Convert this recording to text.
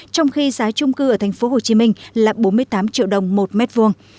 trong khi giá trung cư ở thành phố hồ chí minh là bốn mươi tám triệu đồng một mét vuông